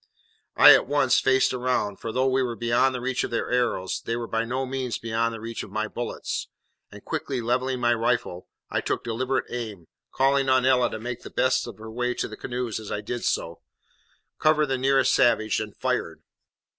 I at once faced round, for, though we were beyond the reach of their arrows, they were by no means beyond the reach of my bullets; and, quickly levelling my rifle, I took deliberate aim, calling on Ella to make the best of her way to the canoes as I did so, covered the nearest savage and fired.